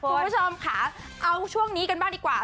คุณผู้ชมค่ะเอาช่วงนี้กันบ้างดีกว่า